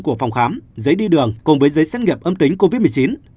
của phòng khám giấy đi đường cùng với giấy xét nghiệm âm tính covid một mươi chín